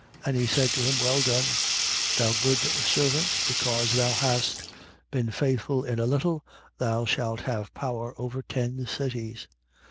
19:17. And he said to him: Well done, thou good servant, because thou hast been faithful in a little, thou shalt have power over ten cities.